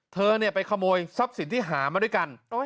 เธอไปขโมยทรัพย์สินที่หามาด้วยกัน